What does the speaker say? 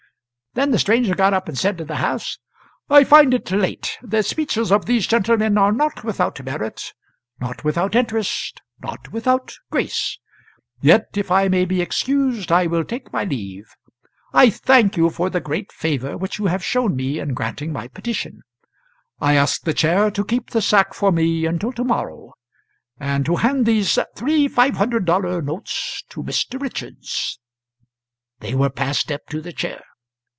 Then the stranger got up and said to the house: "I find it late. The speeches of these gentlemen are not without merit, not without interest, not without grace; yet if I may he excused I will take my leave. I thank you for the great favour which you have shown me in granting my petition. I ask the Chair to keep the sack for me until to morrow, and to hand these three five hundred dollar notes to Mr. Richards." They were passed up to the Chair.